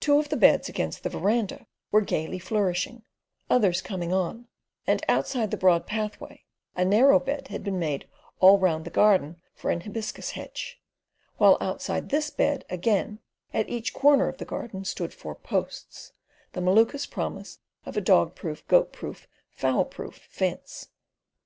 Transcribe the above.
Two of the beds against the verandah were gaily flourishing, others "coming on," and outside the broad pathway a narrow bed had been made all round the garden for an hibiscus hedge; while outside this bed again, one at each corner of the garden, stood four posts—the Maluka's promise of a dog proof, goat proof, fowl proof fence.